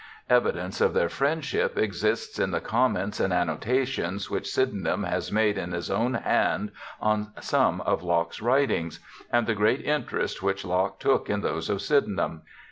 Evidence of their friendship exists in the comments and annotations which Sydenham has made in his own hand on some of Locke's writings, and the great in terest which Locke took in those of Sydenham.